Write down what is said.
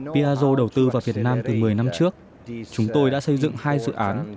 piaggio đầu tư vào việt nam từ một mươi năm trước chúng tôi đã xây dựng hai dự án